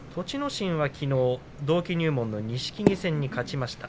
心は、きのう同期入門の錦木戦に勝ちました。